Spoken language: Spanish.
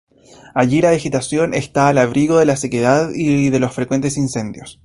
Allí la vegetación está al abrigo de la sequedad y de los frecuentes incendios.